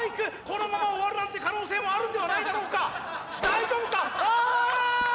このまま終わるなんて可能性もあるんではないだろうか。